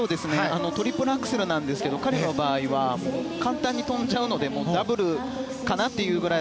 トリプルアクセルですが彼の場合は簡単に跳んじゃうのでダブルかな？っていうぐらい。